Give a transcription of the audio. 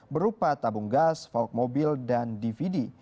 berupa tabung gas valk mobil dan dvd